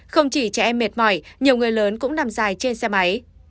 không chỉ trẻ em mệt mỏi nhiều người lớn cũng nằm dài trên xe máy